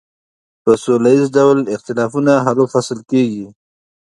په سوله ایز ډول اختلافونه حل و فصل کیږي.